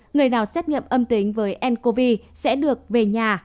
người nào xét nghiệm âm tính với ncov sẽ được về nhà